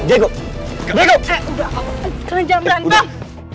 keren jam berantem